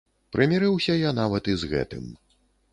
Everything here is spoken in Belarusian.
Прымірыўся я нават і з гэтым.